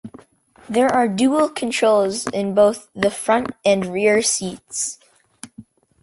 There are dual controls in both the front and rear seats.